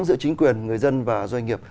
giữa chính quyền người dân và doanh nghiệp